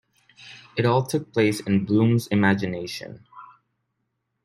It all took place in Bloom's imagination'.